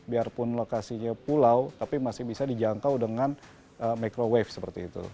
biarpun lokasinya pulau tapi masih bisa dijangkau dengan microwave seperti itu